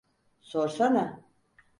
Sorsana!